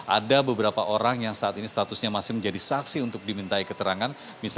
ada beberapa orang yang saat ini statusnya masih menjadi saksi untuk dimintai keterangan